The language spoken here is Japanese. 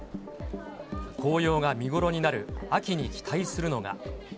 紅葉が見頃になる秋に期待するのが。